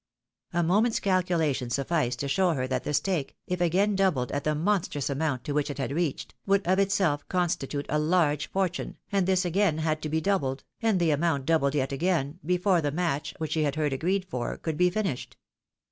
A moment's calculation sufficed to show her that the stake, if again doubled at the monstrous amount to which it had reached, would of itself constitute a large fortune, and this again had to be doubled, and the amount doubled yet again, before the match which she had heard agreed for could be finished.